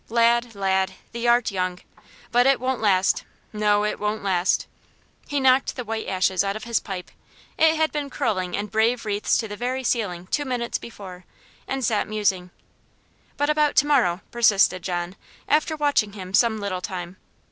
"Lad, lad, thee art young. But it won't last no, it won't last." He knocked the white ashes out of his pipe it had been curling in brave wreaths to the very ceiling two minutes before and sat musing. "But about to morrow?" persisted John, after watching him some little time.